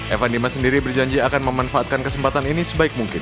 evan dimas sendiri berjanji akan memanfaatkan kesempatan ini sebaik mungkin